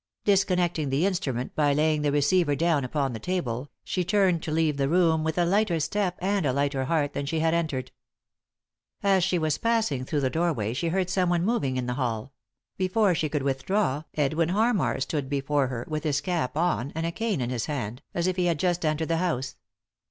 Disconnecting the instrument by laying the receiver down upon the table, she turned to leave the room, with a lighter step and a lighter heart than she had entered. As she was passing through the doorway she heard someone moving in the hall ; before she could with draw Edwin Harmar stood before her, with bis cap on, and a cane in his hand, as if he had just entered the house.